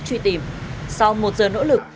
truy tìm sau một giờ nỗ lực